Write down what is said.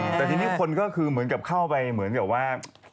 แต่ทีนี้คนก็คือเหมือนกับเข้าไปเหมือนกับว่า